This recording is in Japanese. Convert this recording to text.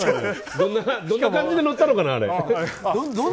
どんな感じで乗ったのかな、あれ。